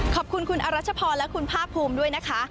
ขอบคุณคุณอรัชพรและคุณภาคภูมิด้วยนะคะ